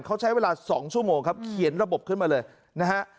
เขาใช้เวลา๒ชั่วโมงครับเขียนระบบขึ้นมาเลยนะฮะ